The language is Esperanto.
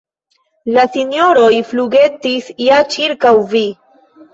La sinjoroj flugetis ja ĉirkaŭ vi.